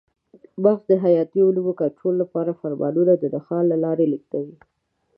مغز د حیاتي عملونو کنټرول لپاره فرمانونه د نخاع له لارې لېږدوي.